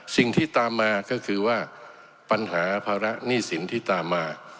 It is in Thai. สิ่งที่ตามมาก็คือว่าปัญหาภาระหนี้สินที่ตามมา